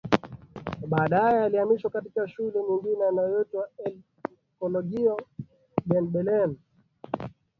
Baadae alihamishiwa katika shule nyingine iitwayo El Colegio de Belén